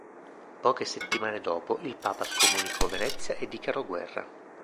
Poche settimane dopo il papa scomunicò Venezia e dichiarò guerra.